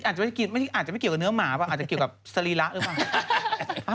มันได้กินคุณแม่อาจจะไม่เกี่ยวกับเนื้อหมาอาจไม่เกี่ยวกับสรีระหรือปะ